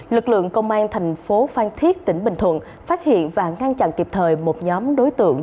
lực lượng công an thành phố phan thiết tỉnh bình thuận phát hiện và ngăn chặn kịp thời một nhóm đối tượng